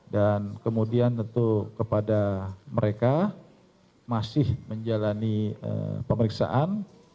dan kemudian tentu kepada mereka masih menjalani pemeriksaan